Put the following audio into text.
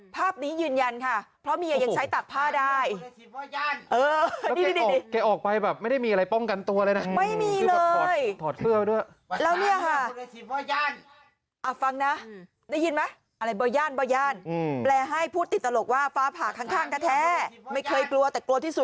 ภาพนี้ยืนยันค่ะเพราะเมียยังใช้ตากผ้าได้